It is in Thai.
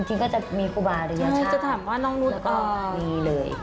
พระจริงก็จะมีกุบาริยชาแล้วก็มีเหลือ